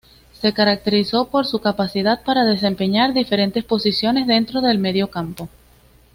Se caracterizó por su capacidad para desempeñar diferentes posiciones dentro del mediocampo.